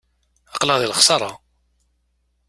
Aql-aɣ deg lexsara.